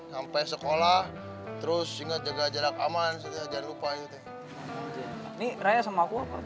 sampai sekolah terus inget juga jarak aman setiap jangan lupa itu nih raya sama aku apa